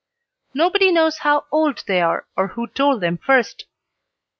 Nobody knows how old they are, or who told them first.